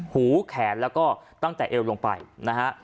หูแขนแล้วก็ตั้งแต่เอวลงไปนะฮะ